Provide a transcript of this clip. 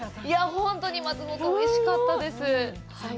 本当に松本、おいしかったです。